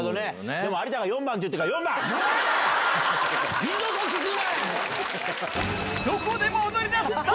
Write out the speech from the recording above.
でも有田が４番って言ってるから４番！二度と聞くな‼